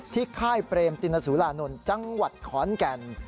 ค่ายเปรมตินสุรานนท์จังหวัดขอนแก่น